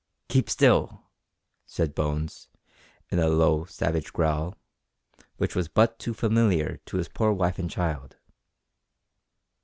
"Keep still!" said Bones, in a low savage growl, which was but too familiar to his poor wife and child.